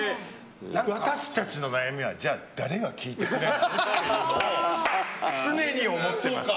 私たちの悩みは、じゃあ誰が聞いてくれるのっていうのを常に思ってます。